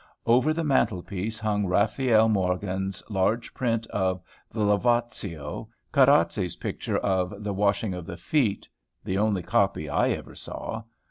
Over the mantel piece hung Raphael Morghen's large print of "The Lavatio," Caracci's picture of "The Washing of the Feet," the only copy I ever saw.